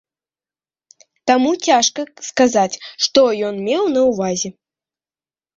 Таму цяжка сказаць, што ён меў на ўвазе.